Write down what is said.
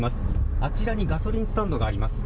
あちらにガソリンスタンドがあります。